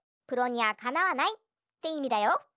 「プロにはかなわない」っていみだよ。